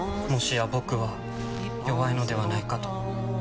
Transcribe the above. もしや僕は弱いのではないかと。